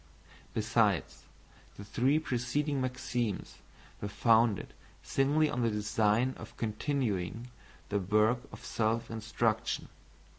Besides, the three preceding maxims were founded singly on the design of continuing the work of self instruction.